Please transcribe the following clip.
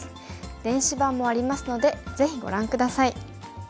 電子版もありますのでぜひご覧下さい。